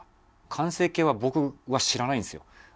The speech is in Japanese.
完成形は僕は知らないんですよ。